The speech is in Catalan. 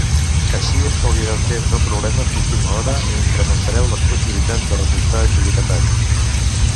Així estalviareu temps o problemes d'última hora i incrementareu les possibilitats de resultar adjudicataris.